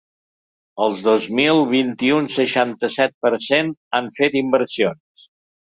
El dos mil vint un seixanta-set per cent han fet inversions.